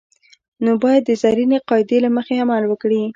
نو باید د زرینې قاعدې له مخې عمل وکړي.